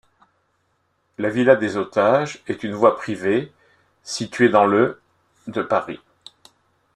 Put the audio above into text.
La villa des Otages est une voie privée située dans le de Paris.